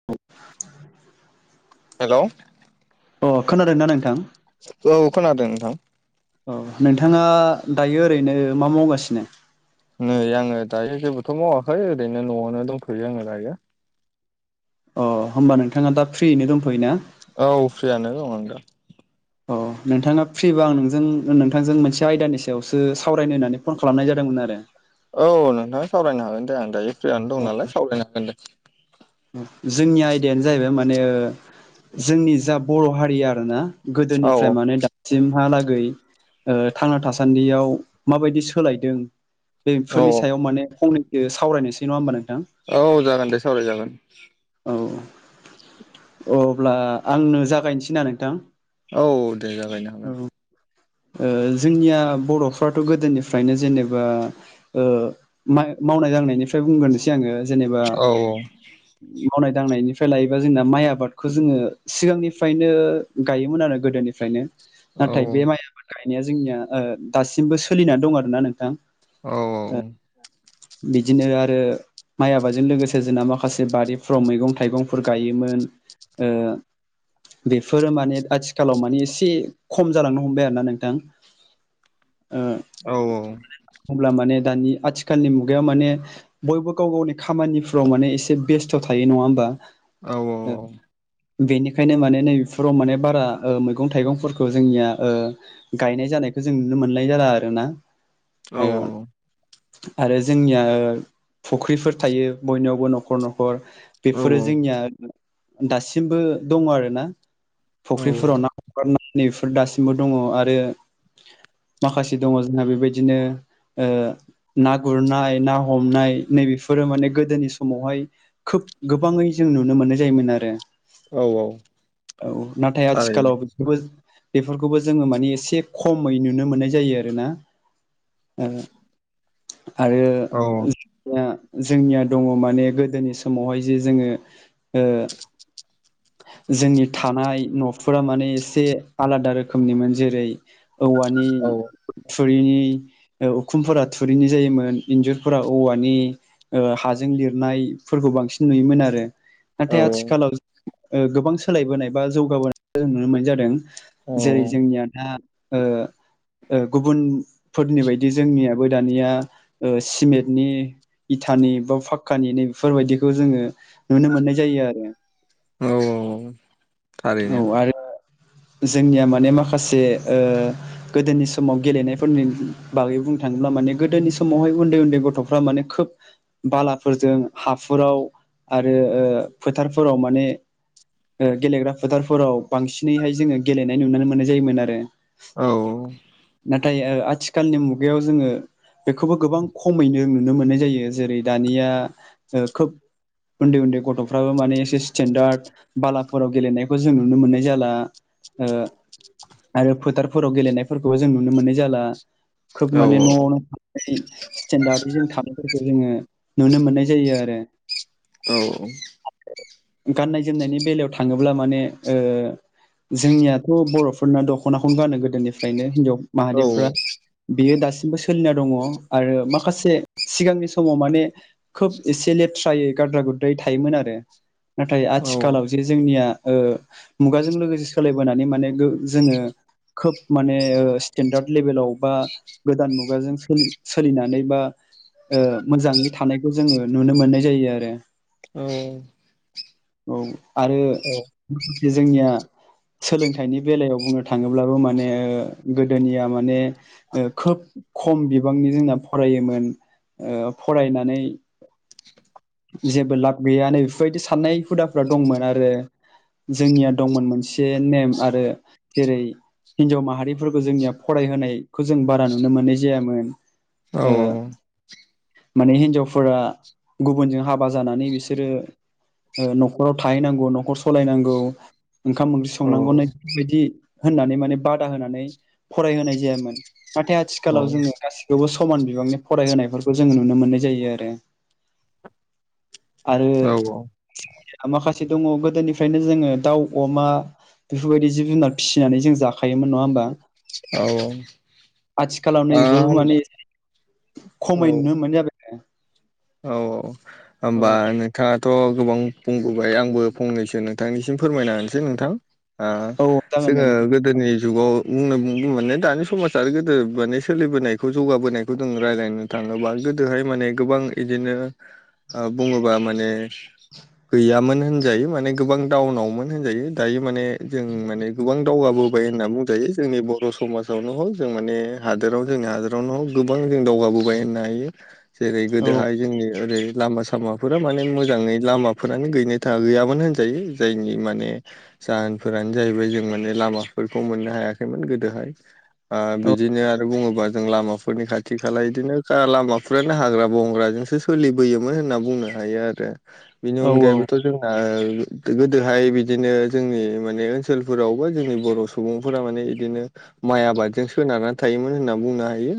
[inaudible] Hello. अ खोनादोंना नोंथां? औ खोनादों नोंथां। औ नोंथाङा दायो ओरैनो मा मावगासिनो? नै आङो दायो जेबोथ' मावाखै ओरैनो न'आवनो दंथ'यो आङो दायो। अ होमबा नोंथाङा दा फ्रियैनो दंथ'योना? औ फ्रियानो दं आं दा। अ नोंथाङा फ्रिबा आं नोंजों नोंथांजों मोनसे आयदानि सायावसो सावरायनो होननानै फन खालामनाय जादोंमोन आरो। औ नोंथां सावरायनो हागोन दे आं दायो फ्रियानो अ दं नालाय सावरायनो हागोन दे। जोंनि आयदायानो जाहैबाय माने जोंनि जा बर' हारि आरोना औ गोदोनिफ्राय मानो दा सिमहालागै ओ थांना थासान्दियाव माबायदि सोलायदों। औ बेफोरनि सायाव माने फंनैसो सावरायनोसै नङा होमबा नोंथां? औ जागोन दे सावरायजागोन। औ अब्ला आंनो जागायनोसै ना नोंथां? औ दे जागायनो हागोन। औ ओ जोंनिया बर'फ्राथ' गोदोनिफ्रायनो जेनेबा ओ मावनाय दांनायनिफ्राय बुंग्रोनोसै आङो जेनेबा औ मावनाय दांनायनिफ्राय लायोबा जोंना माइ आबादखौ जोङो सिगांनिफ्रायनो गायोमोन आरो गोदोनिफ्रायनो औ नाथाय बे माइ आबाद गायनाया जोंनिया ओ दासिमबो सोलिनानै दं आरोना नोंथां। औ औ औ। बिदिनो आरो माइ आबादों लोगोसे जोंना माखासे बारिफ्राव मैगं थाइगंफोर गायोमोन। ओ बेफोरो माने आथिखालाव माने एसे खम जालांनो हमबाय आरो ना नोंथां। ओ औ औ। अब्ला माने दानि आथि खालनि मुगायाव माने बयबो गाव गावनि खामानिफ्राव माने एसे बेस्थ' थायो नङा होमबा। औ औ। बेनिखायनो माने नैबेफोराव माने बारा मैगं थाइगंफोरखौ जोंनिया ओ गायनाय जानायखौ जों नुनो मोननाय जाला आरो ना। औ औ। आरो जोंनिया फुख्रिफोर थायो बयनावबो न'खर न'खर। औ बेफोरो जोंनिया दासिमबो दङ आरोना। फुख्रिफोराव ना हगारनाफोर दासिमबो दङ आरो। माखासे दङ जोंहा बेबायदिनो ओ ना गुरनाय ना हमनाय नैबेफोरो माने गोदोनि समावहाय खोब गोबाङै जों नुनो मोननाय जायोमोन आरो। औ औ। औ नाथाय थारैनो आथिखालाव बे बेफोरखौबो जोङो माने एसे खमै नुनो मोननाय जायो आरोना। ओ आरो औ [unintelligible] जोंनिया दङ माने गोदोनि समावहाय जे जोङो ओ जोंनि थानाय न'फोरा माने एसे आलादा रोखोमनिमोन जेरै औवानि औ थुरिनि उखुमफोरा थुरिनि जायोमोन इन्जुरफोरा औवानि हाजों लिरनायफोरखौ बांसिन नुयोमोन आरो। औ नाथाय आथिखालाव गोबां सोलायबोनाय बा जौगाबोनाय जों नुनो मोननाय जादों। जेरै औ जोंनिया दा गुबुनफोरनि बायदि जोंनियाबो दानिया सिमेन्टनि इथानि बा फााखकानि न बेफोरबायदिखौ जोङो नुनो मोननाय जायो आरो। औ थारैनो औ आरो जोंनिया माने माखासे गोदोनि समाव गेलेनायफोरनि बागै बुंनो थाङोब्ला माने गोदोनि समावहाय उन उन्दै उन्दै गथ'फ्रा माने खोब बालाफोरजों हाफोराव आरो फोथारफोराव माने गेलेग्रा फोथारफोराव बांसिनैहाय जोङो गेलेनाय नुनो मोननाय जायोमोन आरो। औ औ नाथाय आथिखालनि मुगायाव जोङो बेखौबो गोबां खमैनो नुनो मोननाय जायो जेरै दानिया खोब उन्दै उन्दै गथ'फ्राबो माने एसे स्टेनडार्ड बालाफोराव गेलेनायखौ जों नुनो मोननाय जाला आरो फोथारफोराव गेलेनायफोरखौ बेखौबो जों नुनो मोननाय जाला खोब माने न'आवनो थांना स्टेडार्द जोंथानाय खौ जोङो नुनो मोननाय जायो आरो औ औ। गाननाय-जोमनायनि बेलायाव थाङोब्ला माने जोंनियाथ' बर'फोरना दख'नाखौनो गानो गोदोनिफ्रायनो हिनजाव औ माहारि बेयो दासिमबो सोलिना दङ आरो माखासे सिगांनि समाव माने खोब एसे लेथ्रायै गाद्रा गुद्रायै थायोमोन आरो। नाथाय औ आथिखालाव जे जोंनिया ओ मुगाजों लोगोसे सोलायबोनानै माने गो जोङो खोब माने स्टेेनडार्द लेभेलाव बा गोदान मुगाजों सोलि-सोलिनानै बा मोजाङै थानायखौ जोङो नुनो मोननाय जायो आरो औ। औ आरो जोंनिया सोलोंथाइनि बेलायाव बुंनो थाङोब्लाबो माने गोदोनिया माने खोब खम बिबांनि जोंना फरायोमोन। फरायनानै। जेबो लाब गैया नै बेफोरबायदि साननाय हुदाफ्रा दंमोन आरो जोंनिया दंमोन मोनसे नेम आरो जेरै हिनजाव माहारिफोरखौ जोंनिया फरायहोनायखौ जों बारा नुनो मोननाय जायामोन। औ ओ माने हिन्जावफोरा गुबुनजों हाबा जानानै बिसोरो न'खराव थाहैनांगौ न'खर सालायनांगौ। ओंखाम ओंख्रि औ संनांगौ नि बेबायदि होननानै माने बादा होनानै फरायहोनाय जायामोन। नाथाय आथिखालाव जोङो गासिखौबो समान बिबांनि फरायहोनायफोरखौ जोङो नुनो मोननाय जायो आरो। आरो औ माखासे दङ गोदोनिफ्रायनो जोङो दाउ अमा बेफोरबायदि जिब जुनार फिसिनानै जों जाखायोमोन नङा होमबा? आथिखालाव नैबेबो माने खमैनुनो मोननाय जाबाय औ औ औ होमबा नोंथाङाथ' गोबां बुंबोबाय आंबो फंनैसो नोंथांनिसिम फोरमायना होनसै नोंथां आ औ जागोन दे जोङो गो नोंथां गोदोनि जुगाव बुंनो दानि समाज आरो गोदो माने सोलिबोनायखौ जौगाबोनायखौ जों रायलायनो थाङोबा गोदोहाय माने गोबां इदिनो बुङोबा माने गैयामोन होनजायो माने गोबां डाउनावमोन होनजायो दायो माने जों माने गोबां दावगाबोबाय होनना बुंजायो जोंनि बर' समाजावनो हक जों माने हादोराव जोंनिया जावनाव गोबां जों दावगाबोबाय होननो हायो। [inaudible] जेरै गोदोहाय जोंनि ओरै लामा सामाफोरा माने मोजाङै लामाफोरानो गैनो गैयामोन होनजायो जायनि माने जाहोनफोरानो जाहैबाय जों माने लामाफोरखौ मोननो हायाखैमोन गोदोहाय। औ बिदिनो आरो बुङोबा जों लामाफोरनि खाथि खाला इदिनो लामाफोरानो हाग्रा बंग्राजोंसो सोलिबोयोमोन होनना बुंनो हायो आरो बिनि औ अनगायैबो जोंना गोदोहाय बिदिनो जोंनि माने ओनसोलफोराव बा जोंनि बर' सु बुंफोरा माने इदिनो माइ आबादजों सोनारनानै थायोमोन होनना बुंनो हायो।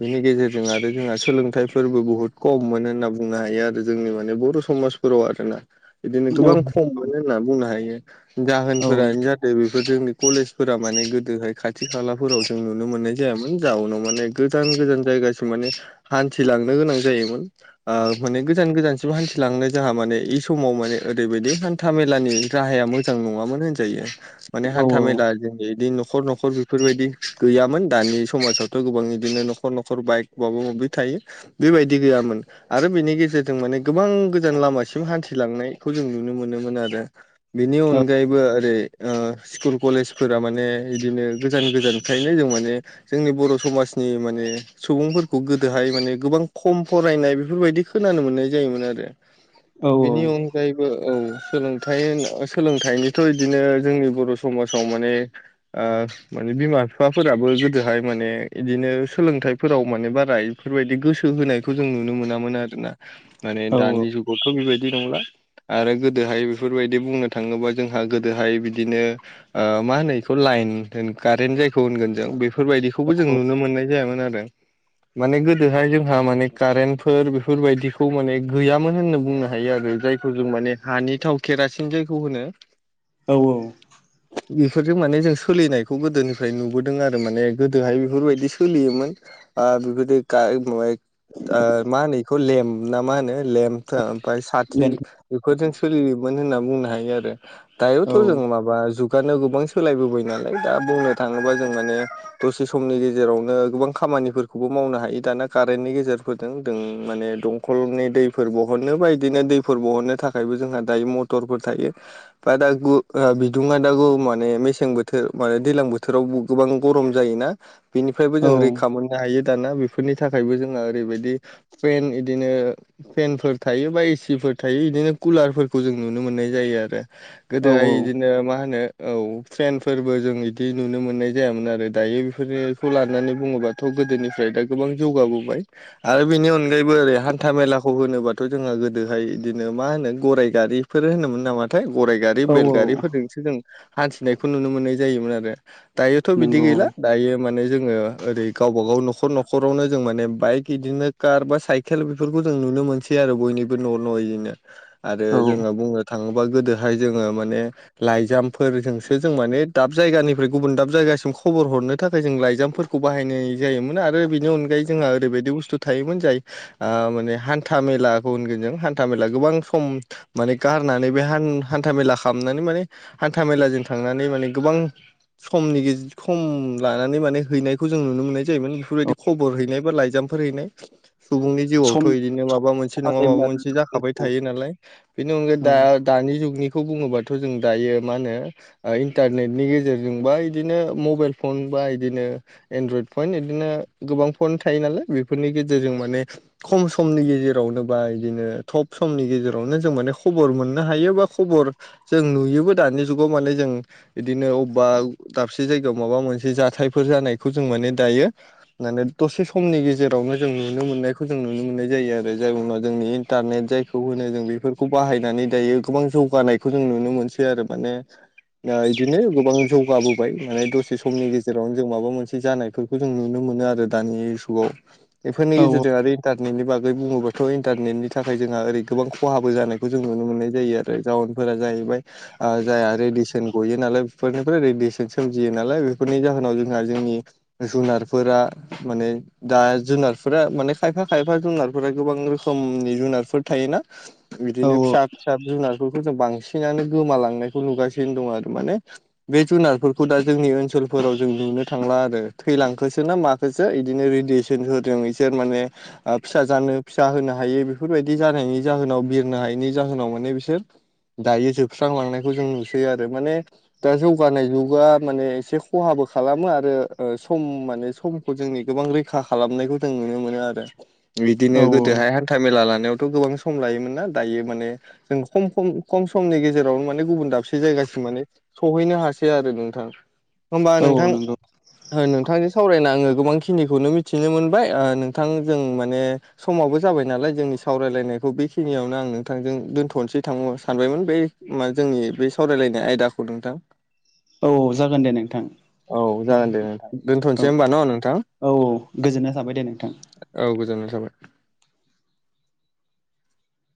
बेनि गेजेरजों आरो जोंहा सोलोंथाइ फोरबो ब हुत खम मोनो होनना बुंनो हायो आरो जोंनि माने बर' समाजफोराव आरोना बिदिनो गोबां खम मोनो होनना बुंनो हायो औ जाहोनफोरानो जाहाथे बे बो जोंनि कलेजफोरा माने गोदोहाय खाथि खालाफोराव जों नुनो मोननाय जायामोन जाउनाव माने। गोजान गोजान जायगासिम माने हान्थिलांनो गोनां जायोमोन। माने गोजान गोजानसिम हान्थिलांनो जोंहा माने इ समाव माने ओरैबायदि हान्थाामेलानि राहाया मोजां नङामोन होनजायो। माने औ हान्था मेला जों बिदि न'खर न'खर बेफोरबायदि गैयामोन दानि समाजावथ' गोबां बिदिनो नखर नखर न'खर बाइक माबा माबि थायो बेबायदि गैयामोन। आरो बेनि गेजेरजों माने गोबां गोजान लामासिम हान्थिलांनायखौ जों नुनो मोनोमोन आरो। बेनि औ अनगायैबो ओरै स्कुल कलेजफोरा माने इदिनो गोजान गोजानखायनो जों माने जोंनि बर' समाजनि माने सुबुंफोरखौ गोदोहाय माने गोबां खम फरायनाय बेफोरबायदि खोनानो मोननाय जायोमोन आरो औ बेनि अनग ायबो औ सोलोंथ सोलोंथाइनिथ' बिदिनो जोंनि बर' समाजाव माने ओ माने बिमा बिफाफोराबो गोदोहाय माने बिदिनो सोलोंथाइफोराव माने बारा इफोरबायदि गोसो थ होनायखौ जों नुनो मोनामोन आरोोना माने दानि जुगावथ' बेबायदि नंला आरो गोदोहाय बेफोरबायदि बुंनो थाङोबा जोंहा गोदोहाय बिदिनो मा होनो बेखौ लाइन कारेन्ट जायखौ होनगोन जों बेफोरबायदिखौबो जों नुनो मोननाय जायामोन आरो माने गोदोहाय जों माने कारेन्टफोर बेफोरबायदिखौ माने गैयामोन होनना बुंनो हायो आरो जायखौ जों माने हानि थाव केरासिन जायखौ होनो औ औ बेफोरजों माने जों सोलिनायखौ गोदोनिफ्राय नुबोदों आरो माने गोदोहाय बेफोरबायदि सोलियोमोन आ बिबदि मा होनो बेखौ लेम्प ना मा होनो लेम्प ओमफ्राय साथि बेफोरजों सोलियोमोन होनना बुंनो हायो आरो दायोथ' जों माबा जु हुगानो गोबां सोलायबोबाय नालाय दा बुंनो थाङोबा जों माने दसे समनि गेजेरावनो गोबां खामानिफोरखौबो मावनो हायो दाना ारनि गेजेरफोरजों जों माने दंखलनि दैफोर बहननो बा बिदिनो दैफोर बहननो थाखाय थाखायबो जोंहा दायो मटरफोर थायो बा दा बिदुङा दा माने मेसें बोथोर मे दैज्लां बोथोराव गोबां गरम जायोना बेनिफ्रायबो जों रैखा मोननो हायो दाना बेफोरनि थाखाय थाखायबो जोंहा ओरैबायदि फेन इदिनो फेनफोर थायो बा एसि फोर थायो बिदिनो कुलारफोरखौ जों नुनो मोननाय जायो आरो गोदोहाय बिदिनो मा होनो औ ट्रेन फोरबो जों इदि नुनो मोननाय जायामोन आरो दायो बेफोरो खौ लानानै बुङोबाथ' गोदोनिफ्राय दा गोबां जौगाबोबाय। आरो बिनि अनगायैबो ओरै हान्था मेलाखौ होनोबाथ' जोंङो गोदोहाय बिदिनो मा होनो गराइ गारि फोर होनोमोन नामाथाय, गराइ गारि औ औ बेलगारिफोरजोंसो जों हान्थिनायखौ नुनो मोननाय जायोमोन आरो। दायोथ' बिदि नंगौ गैला दायो माने जोङो ओरै गावबा गाव न'खर न'खर आवनो जों माने बाइक इदिनो कार बा साइकेल बेफोरखौ जों नुनो मोनसै आरो बयनिबो न' नयैनो। आरो औ जोङो बुंनो थाङोबा गोदोहाय जोङो माने लाइजामफोरजोंसो जों माने दाब जायगानिफ्राय गुबुन दाब जायगासिम खबर हरनो थाखाय जों लाइजामफोर खौ बाहायनाय जायोमोन आरो बेनि अनगायै जोंहा ओरैबायदि बुस्थु थायोमोन जाय आ माने हान्था मेलाखौ होनगोन जों हान्था मेला गोबां सम माने गारनानै बे हान-हान्था मेला खालामनानै माने हान्था मेलाजों थांनानै माने गोबां समनि गे खम लानानै माने हैनायखौ जों नुनो मोननाय जायोमोन औ बेफोरबायदि खबर हैनाय बा लाइजामफोर हैनाय। सुबुंनि सम जिउआवथ' बिदिनो माबा मोनसे खहा नङा माबा जायोमोन मोनसे जाखाबाय आरो थायो नालाय। बेनि अनगायै दा दानि जुगनिखौ बुङोबाथ' जों दायो मा होनो इन्टारनेटनि गेजेर जोंबा बिदिनो मबाइल फन बा बिदिनो एनड्रयड फन बिदिनो गोबां फन थायो नालाय बेफोरनि गेजेरजों माने खम समनि गेजेरावनो बा बिदिनो थ'ब समनि गेजेरावनो जों माने खबर मोननो हायो, बा खबर जों नुयोबो दानि जुगाव माने जों बिदिनो अबेबा दाबसे जायगायाव माबा मोनसे जाथायफोर जानायखौ जों माने दायो माने दसे समनि गेजेरावनो जों नुनो मोननायखौ जों नुनो मोननाय जायो आरो जायउनाव जोंनि इन्टारनेट जाय खौ होनो जों बेफोरखौ बाहायनानै दायो गोबां जौगानायखौ जों नुनो मोनसै आरो माने। दा बिदिनो गोबां जौगाबोबाय माने दसे समनि गेजेरावनो जों माबा मोनसे जानायफोरखौ जों नुनो मो नो आरो दानि जुगाव बेफोरनि औ गेजेरजों आरो न्टारनेटनि बागै बुङोब्लााथ' इन्टारनेटनि थाखाय जोंहा ओरै गोबां खहाबो जानायखौ जों नुनो मोननाय जायो आ जाउनफोरा जाहैबाय जायहा रेडिसन गयो नालाय फोरनिफ्राय रेदियेसन सोमजियो नालाय बेफोरनि जाहोनाव जोंहा जोंनि जुनार फोरा माने दा जुनारफोरा माने खायफा खायफा जुनारफोरा गोबां रोखोमनि जुनारफोर थायोना। औ बिदिनो फिसा फिसा जुनारफोरखौ जों बांसिनानो गोमालांनायखौ नुगासिनो दं आरो। माने बे जुनारफोरखौ दा जोंनि ओनसोलफोराव जों नुनो थांला आरो। थैलांखो खोना माखासो बिदिनो रेडियेसन होदों बिसोर माने आ फिसा जानो फिसा होनो हायै बेफोरबायदि जानायनि जाहोनाव बिरनो हायैनि जाहोनाव माने बिसोर दायो जोबस्रांलांनायखौ जों नुसै आरो। माने दा जौगानाय जुगा माने एसे खहाबो खालामो आरो ओ सम माने समखौ जोंनि गोबां रैखा खालामनायखौ जों नुनो मोनो आरो। औ बिदिनो गोदोहाय था मेला लानायावथ' गोबां सम लायोमोन ना दायो माने जों खम खम, खम समनि गेजेरावनो माने गुबुन दाबसे जायगासिम माने सहैनो हासै आरो नोंथां। होमबा औ नोंथां नंगौ नोंथांजों सावरायना आङो गोबांखिनिखौनो मिथिनो मोनबाय ओ नोंथां जों माने समाबो जाबाय नालाय जोंनि सावरायलायनायखौ बेखिनियावनो आं नोंथांजों दोनथ'नोसै थां सानबायमोन। बै मा जोंनि बे सावरायलायनाय आयदाखौ नोंथां। औ जागोन दे नोंथां औ जागोन औ। दे होनबा न' नोंथां? औ औ गोजोननाय थाबाय दे नोंथां औ गोजोननाय थाबाय।